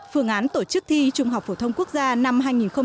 phương án tổ chức thi trung học phổ thông quốc gia năm hai nghìn một mươi chín